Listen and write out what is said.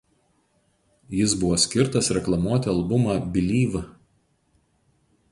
Jis buvo skirtas reklamuoti albumą "Believe.